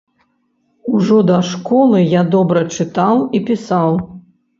Ужо да школы я добра чытаў і пісаў.